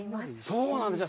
そうなんですよね。